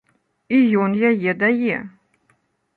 І ён яе дае.